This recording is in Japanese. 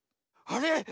あれ？